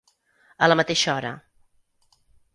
A la mateixa hora.